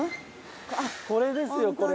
これですよこれ。